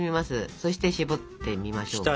そして絞ってみましょうか？